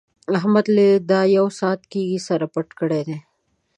احمد له دا يو ساعت کېږي سر پټ کړی دی.